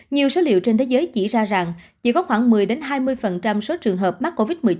nhiều số liệu trên thế giới chỉ ra rằng chỉ có khoảng một mươi hai mươi số trường hợp mắc covid một mươi chín